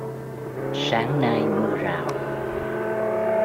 Sáng nay mưa rào